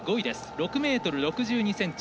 ６ｍ６２ｃｍ。